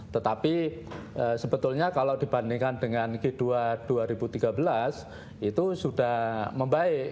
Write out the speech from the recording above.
tetapi sebetulnya kalau dibandingkan dengan g dua dua ribu tiga belas itu sudah membaik